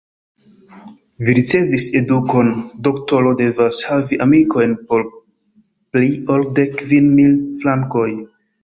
Vi ricevis edukon: doktoro devas havi amikojn por pli ol dek kvin mil frankoj.